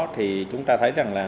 thì chúng ta thấy rằng là